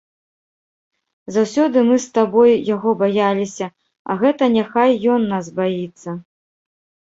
Заўсёды мы з табой яго баяліся, а гэта няхай ён нас баіцца.